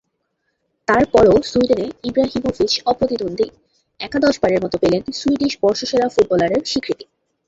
তারপরও সুইডেনে ইব্রাহিমোভিচ অপ্রতিদ্বন্দ্বী, একাদশবারের মতো পেলেন সুইডিশ বর্ষসেরা ফুটবলারের স্বীকৃতি।